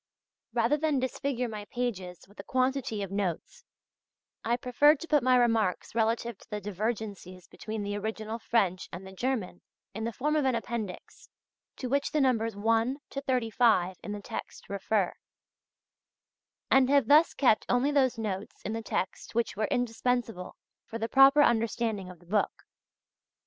Rather than disfigure my pages with a quantity of notes, I preferred to put my remarks relative to the divergencies between the original French and the German in the form of an appendix (to which the Numbers 1 to 35 in the text refer), and have thus kept only those notes in the text which were indispensable for the proper understanding of the book.